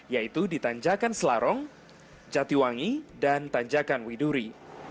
yaitu di tanjakan selarong jatiwangi dan tanjakan widuri